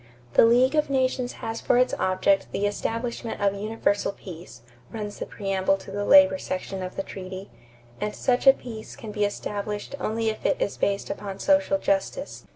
"The league of nations has for its object the establishment of universal peace," runs the preamble to the labor section of the treaty, "and such a peace can be established only if it is based upon social justice....